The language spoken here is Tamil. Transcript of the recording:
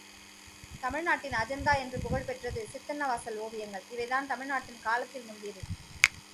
தமிழ்நாட்டின் அஜந்தா என்று புகழ் பெற்றது சித்தன்னவாசல் ஓவியங்கள், இவைதான் தமிழ்நாட்டில் காலத்தால் முந்தியவை.